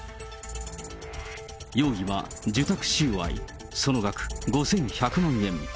容疑は受託収賄、その額５１００万円。